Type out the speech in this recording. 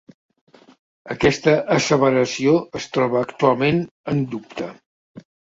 Aquesta asseveració es troba actualment en dubte.